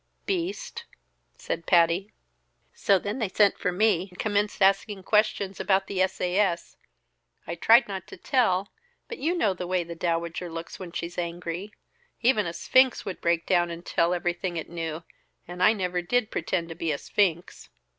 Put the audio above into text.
"Beast!" said Patty. "So then they sent for me and commenced asking questions about the S. A. S. I tried not to tell, but you know the way the Dowager looks when she's angry. Even a sphinx would break down and tell everything it knew, and I never did pretend to be a sphinx."